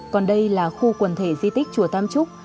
còn đây là khu quần thể di tích chùa tam trúc